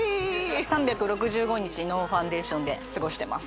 ３６５日ノーファンデーションで過ごしてます